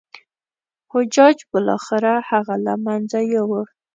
حجاج بالاخره هغه له منځه یووړ.